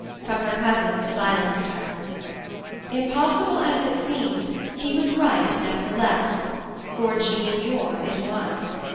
from her cousin silenced her. Impossible as it seemed, he was right nevertheless; for Jean Muir it was.